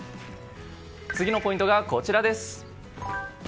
次のポイントが、こちらです。